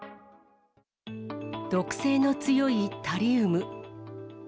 毒性の強いタリウム。